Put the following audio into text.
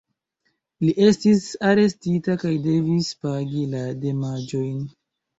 Li estis arestita kaj devis pagi la damaĝojn.